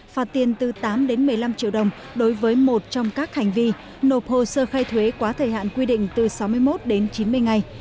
phạt tiền từ tám đến một mươi năm triệu đồng đối với một trong các hành vi nộp hồ sơ khai thuế quá thời hạn quy định từ sáu mươi một đến chín mươi ngày